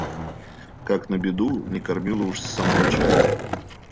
Как на беду, не кормила уж с самого чая.